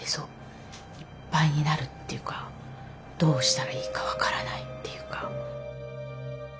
いっぱいになるっていうかどうしたらいいか分からないっていうか。